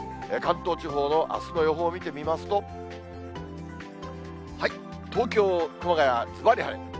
関東地方のあすの予報を見てみますと、東京、熊谷、ずばり晴れ。